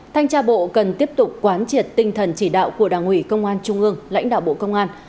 thanh tra bộ cần tiếp tục quán triệt tinh thần chỉ đạo của đảng ủy công an trung ương lãnh đạo bộ công an